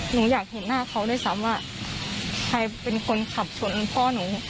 หนูอยากเห็นหน้าเขาด้วยซ้ำว่าใครเป็นคนขับชนพ่อหนู